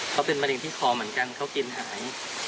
เขาเป็นมะเร็งที่คอเหมือนกันเขากินหาย